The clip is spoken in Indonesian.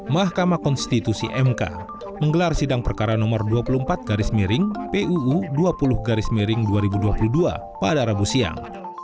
mahkamah konstitusi mk menggelar sidang perkara nomor dua puluh empat garis miring puu dua puluh garis miring dua ribu dua puluh dua pada rabu siang